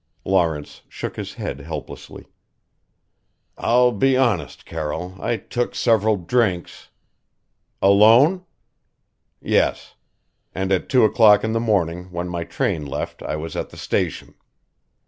Lawrence shook his head helplessly. "I'll be honest, Carroll I took several drinks " "Alone?" "Yes. And at two o'clock in the morning when my train left I was at the station.